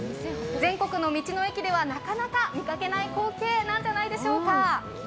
全国の道の駅ではなかなか見かけない光景ではないでしょうか。